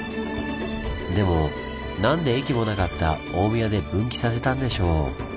でもなんで駅もなかった大宮で分岐させたんでしょう？